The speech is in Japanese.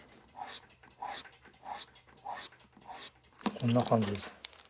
こんな感じです。